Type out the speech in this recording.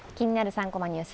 ３コマニュース」